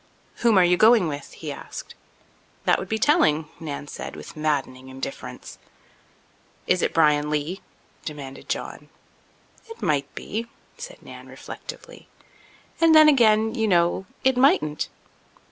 "Whom are you going with?" he asked. "That would be telling," Nan said, with maddening indifference. "Is it Bryan Lee?" demanded John. "It might be," said Nan reflectively, "and then again, you know, it mightn't."